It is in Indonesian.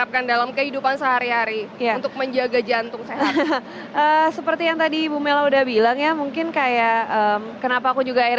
padahal yang digoreng itu yang enak ya